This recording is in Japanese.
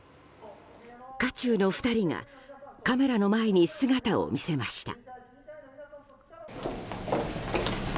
渦中の２人がカメラの前に姿を見せました。